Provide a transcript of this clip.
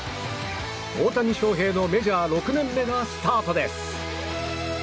大谷翔平のメジャー６年目がスタートです。